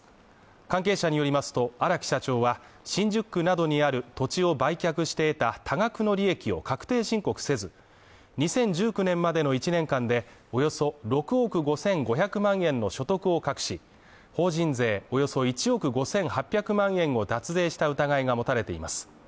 関係者によりますと、荒木社長は、新宿などにある土地を売却して得た多額の利益を確定申告せず、２０１９年までの１年間でおよそ６億５５００万円の所得を隠し、法人税およそ１億５８００万円を脱税した疑いが持たれています。